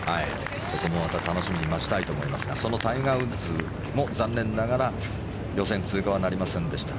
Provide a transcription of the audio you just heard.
そこもまた楽しみに待ちたいと思いますがそのタイガー・ウッズも残念ながら予選通過はなりませんでした。